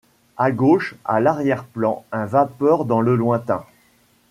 À gauche, à l'arrière-plan, un vapeur dans le lointain.